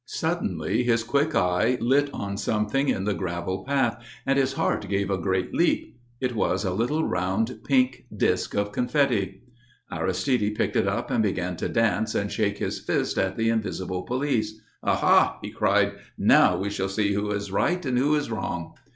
Suddenly his quick eye lit on something in the gravel path and his heart gave a great leap. It was a little round pink disc of confetti. Aristide picked it up and began to dance and shake his fist at the invisible police. "Aha!" he cried, "now we shall see who is right and who is wrong!"